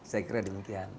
saya kira demikian